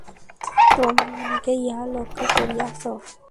তোমরা অনেকেই ইহা লক্ষ্য করিয়াছ।